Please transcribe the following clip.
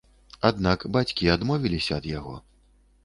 Аднак бацькі адмовіліся ад яго.